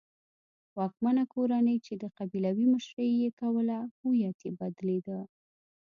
واکمنه کورنۍ چې د قبیلو مشري یې کوله هویت یې بدلېده.